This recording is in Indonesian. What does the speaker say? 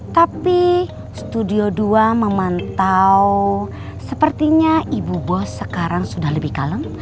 tapi studio dua memantau sepertinya ibu bos sekarang sudah lebih kalem